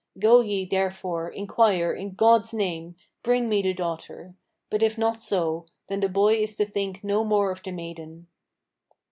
Go ye therefore, inquire, in God's name, bring me the daughter. But if not so, then the boy is to think no more of the maiden."